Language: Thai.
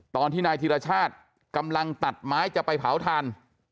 ตอนที่นายธิรชาติกำลังตัดไม้จะไปเผาทาน